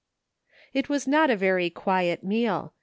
It was not a very quiet meal.